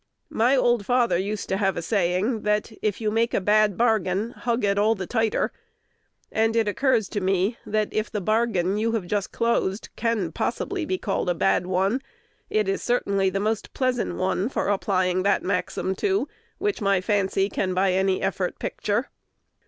My old father used to have a saying, that, "If you make a bad bargain, hug it all the tighter;" and it occurs to me, that, if the bargain you have just closed can possibly be called a bad one, it is certainly the most pleasant one for applying that maxim to which my fancy can by any effort picture.